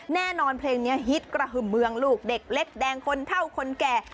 แน่นอนเพลงนี้ฮิตกระหึ่มเมืองลูกเด็กเล็กแดงคนเท่าคนแก่